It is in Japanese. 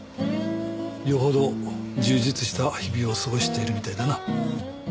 よほど充実した日々を過ごしているみたいだな。